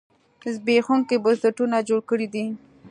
زبېښونکي بنسټونه جوړ کړي دي.